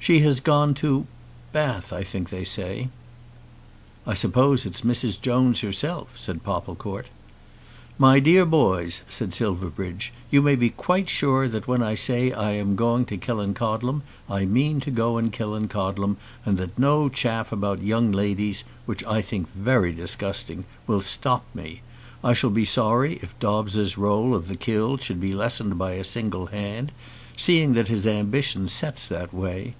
She has gone to Bath I think they say." "I suppose it's Mrs. Jones herself," said Popplecourt. "My dear boys," said Silverbridge, "you may be quite sure that when I say that I am going to Killancodlem I mean to go to Killancodlem, and that no chaff about young ladies, which I think very disgusting, will stop me. I shall be sorry if Dobbes's roll of the killed should be lessened by a single hand, seeing that his ambition sets that way.